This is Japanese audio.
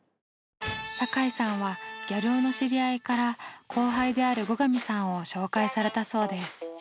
酒井さんはギャル男の知り合いから後輩である後上さんを紹介されたそうです。